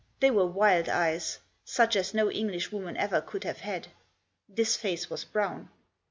They were wild eyes ; such as no Englishwoman ever could have had. This face was brown.